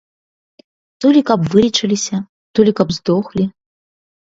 То лі каб вылечыліся, то лі каб здохлі.